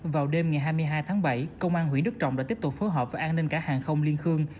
vào đêm ngày hai mươi hai tháng bảy công an huyện đức trọng đã tiếp tục phối hợp với an ninh cả hàng không liên khương